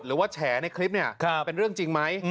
หรือว่าแฉในคลิปเนี่ยเป็นเรื่องจริงไหม